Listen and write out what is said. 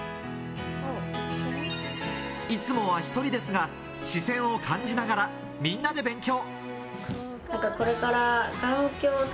いつもは１人ですが、視線を感じながら、みんなで勉強。